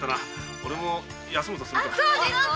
おれも休むとするか。